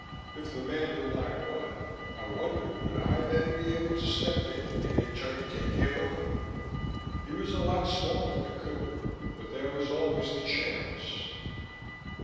If the man in black won, I wondered would I then be able to step in in turn and take him on? He was a lot smaller than Qohey but there was always the chance....